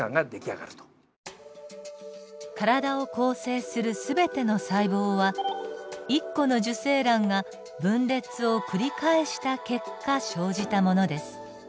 体を構成する全ての細胞は１個の受精卵が分裂を繰り返した結果生じたものです。